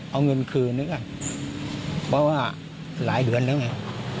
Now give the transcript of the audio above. เอาเงินคืนนึกอ่ะเพราะว่าหลายเดือนแล้วไง